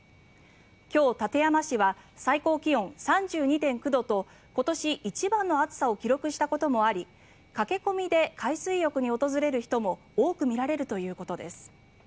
今日、館山市は最高気温３２．９度と今年一番の暑さを記録したこともあり駆け込みで海水浴に訪れる人も多く見られるということです。